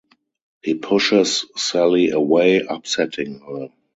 He pushes Sally away, upsetting her.